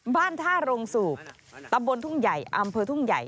บ้านท่าโรงสูบตำบลทุ่งใหญ่อำเภอทุ่งใหญ่